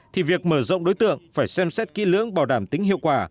thì việc mở rộng đối tượng phải xem xét kỹ lưỡng bảo đảm tính hiệu quả